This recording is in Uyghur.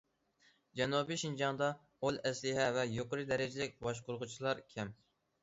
جەنۇبىي شىنجاڭدا ئۇل ئەسلىھە ۋە يۇقىرى دەرىجىلىك باشقۇرغۇچىلار كەم.